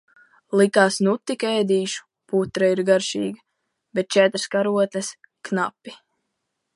Likās, nu tik ēdīšu, putra ir garšīga, bet četras karotes knapi.